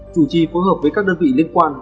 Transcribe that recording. chủ trì phối hợp với các đơn vị liên quan